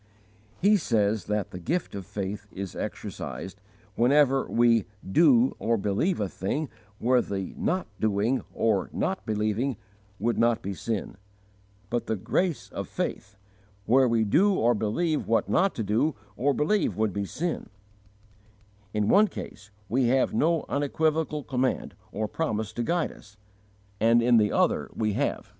He says that the gift of faith is exercised, whenever we "do or believe a thing where the not doing or not believing would not be sin"; but the grace of faith, "where we do or believe what not to do or believe would be sin"; in one case we have no unequivocal command or promise to guide us, and in the other we have.